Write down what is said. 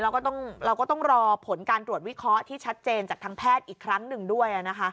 เราก็ต้องรอผลการตรวจวิเคราะห์ที่ชัดเจนจากทางแพทย์อีกครั้งหนึ่งด้วย